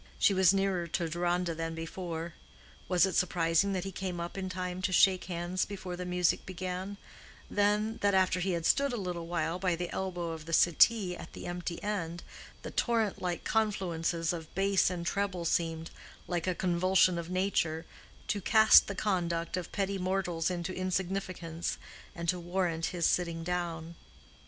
She was nearer to Deronda than before: was it surprising that he came up in time to shake hands before the music began—then, that after he had stood a little while by the elbow of the settee at the empty end, the torrent like confluences of bass and treble seemed, like a convulsion of nature, to cast the conduct of petty mortals into insignificance, and to warrant his sitting down?